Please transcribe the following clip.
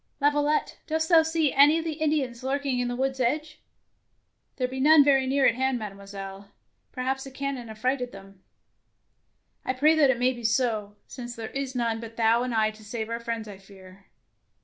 Laviolette, dost thou see any of the Indians lurking at the woods' edge!" " There be none very near at hand, Mademoiselle. Perhaps the cannon affrighted them. ''" I pray that it may be so, since there is none but thou and I to save our friends, I fear."